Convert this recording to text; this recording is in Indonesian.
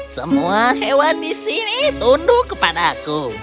semua hewan di sini tunduk kepada aku